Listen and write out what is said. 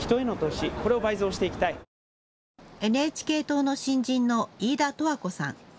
ＮＨＫ党の新人の飯田富和子さん。